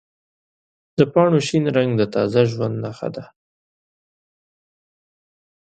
د پاڼو شین رنګ د تازه ژوند نښه ده.